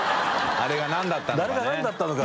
あれが何だったのか。